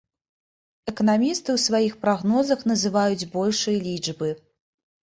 Эканамісты ў сваіх прагнозах называюць большыя лічбы.